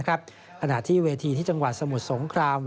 ขณะที่เวทีที่จังหวัดสมุทรสงคราม